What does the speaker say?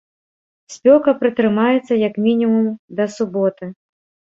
Спёка пратрымаецца, як мінімум, да суботы.